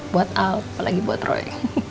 buat out apalagi buat roy